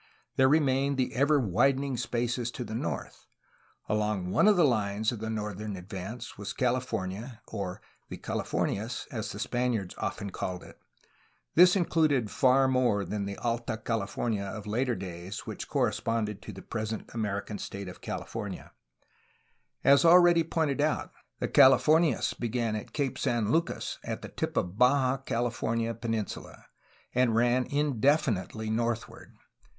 There remained the ever widening spaces to the north. Along one of the Unes of the northern advance was CaU fornia, or "the Calif ornias" as the Spaniards often called it. This included far more than the Alt a California of later days, which corresponded to the present American state of 43 44 A HISTORY OF CALIFORNIA California. As already pointed out, the Calif ornias began at Cape San Lucas, at the tip of the Baja California penin sula, and ran indefinitely northward.